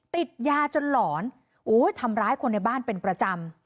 ติดยาจนหลอนโอ้ยทำร้ายคนในบ้านเป็นประจำ